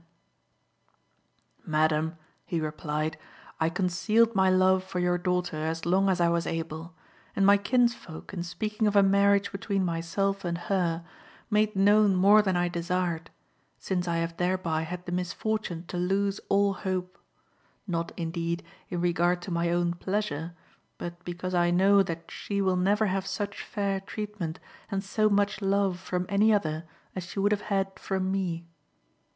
" FIRST 'DAT: TALE IX. 17 " Madam," he replied, " I concealed my love for your daughter as long as I was able; and my kinsfolk, in speaking of a marriage between myself and her, made known more than I de sired, since I have thereby had the misfortune to lose all hope ; not, indeed, in regard to my own pleasure, but because I know that she will never have such fair treatment and so much love from any other as she would have had from me.